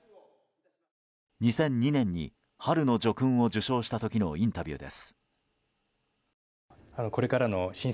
２００２年に春の叙勲を受章した時のインタビューです。